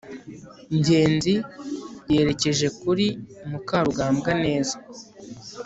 ngenzi yerekeje kuri mukarugambwa neza